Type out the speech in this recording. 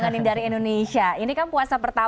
saya sendiri kampus unikal